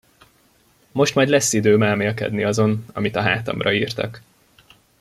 Most majd lesz időm elmélkedni azon, amit a hátamra írtak.